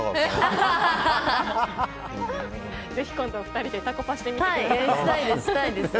ぜひ今度２人でタコパしてください。